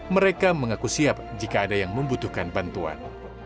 mereka mengaku siap jika ada yang membutuhkan bantuan